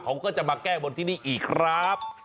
เขาก็จะมาแก้บนที่นี่อีกครับ